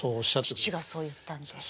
父がそう言ったんです。